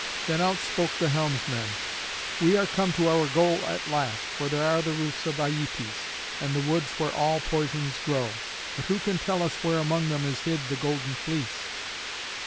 Then out spoke the helmsman, "We are come to our goal at last, for there are the roofs of Aietes, and the woods where all poisons grow. But who can tell us where among them is hid the Golden Fleece?"